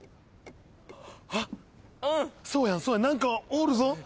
あっそうやん何かおるぞ。